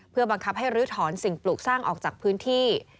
เพื่อบังคับให้ลื้อถอนสิ่งปลูกสร้างออกจากพื้นที่